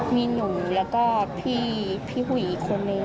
มีหนูแล้วก็พี่หุ่ยคนหนึ่ง